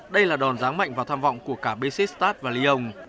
đây là đòn ráng mạnh và tham vọng của cả besiktas và lyon